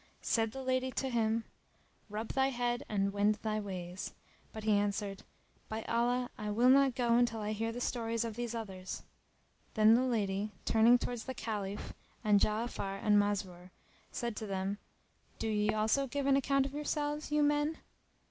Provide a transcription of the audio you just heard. Said the lady to him, "Rub thy head and wend thy ways;" but he answered, "By Allah, I will not go until I hear the stories of these others." Then the lady, turning towards the Caliph and Ja'afar and Masrur, said to them, "Do ye also give an account of yourselves, you men!"